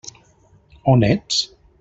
On ets?